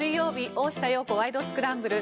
「大下容子ワイド！スクランブル」。